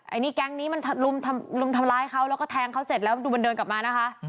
อันนี้แก๊งนี้มันรุมทำร้ายเขาแล้วก็แทงเขาเสร็จแล้วดูมันเดินกลับมานะคะ